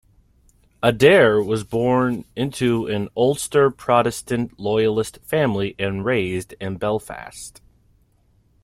Adair was born into an Ulster Protestant loyalist family and raised in Belfast.